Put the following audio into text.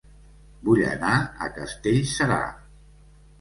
Vull anar a Castellserà